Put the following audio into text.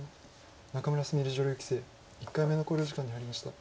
仲邑菫女流棋聖１回目の考慮時間に入りました。